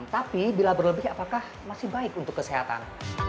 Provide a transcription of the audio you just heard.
tapi bila berlebih apakah masih baik untuk kesehatan